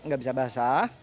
gak bisa basah